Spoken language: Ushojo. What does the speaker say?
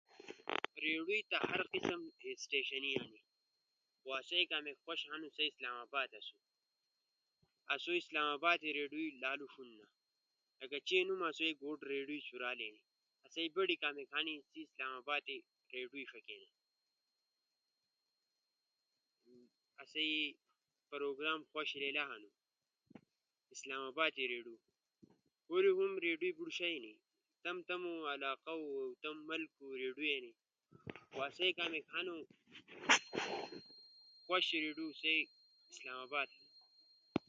ریڈو تا ہر قسم اسٹیشن ہنی، خو آسئی کامیک خوش ہنو سئی اسلام آباد اسُو۔ آسو اسلام آباد ریڈیو لالو ݜوننا۔ لکہ چین ہم آسوئے گوٹ ریڈیو چورالینا۔ آسئی بڑے کامیک ہنی اسلام آبادی رڅڈیو ݜکینا۔ آسئی پروگرام خوش لیلا ہنو۔ ہورے ہم ریڈیوئے بوڑ شیئی ہنو، تمو تمو علاقو، تمو ملکو ریڈیو ہنی، خو آسئی کامیک ہنو خوش ریڈیو آسئی اسلام آباد ہنو۔